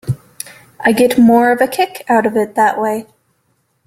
I get more of a kick out of it that way.